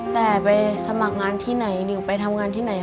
แต่ไปสมัครงานที่ไหนนิวไปทำงานที่ไหน